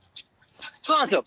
そうなんですよ。